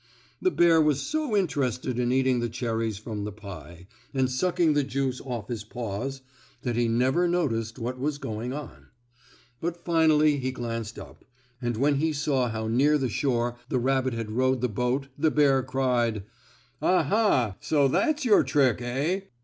The bear was so interested in eating the cherries from the pie, and sucking the juice off his paws, that he never noticed what was going on. But finally he glanced up, and when he saw how near the shore the rabbit had rowed the boat the bear cried: "Ah! ha! So that's your trick, eh?